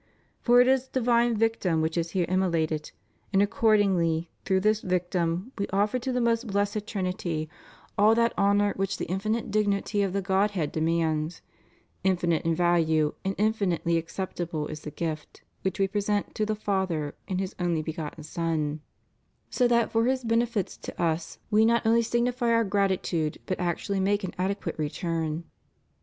For it is a divine Victim which is here immolated; and accord ingly through this Victim we offer to the Most Blessed Trinity all that honor which the infinite dignity of the Godhead demands; infinite in value and infinitely ac ceptable is the gift which we present to the Father in His only begotten Son; so that for His benefits to us we ' Luke xix. 14. *Jer. xi. 11. 534 THE MOST HOLY EUCHARIST. not only signify our gratitude, but actually make an adequate return.